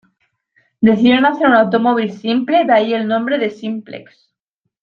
Decidieron hacer un automóvil simple, de ahí el nombre de "Simplex".